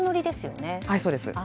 そうです。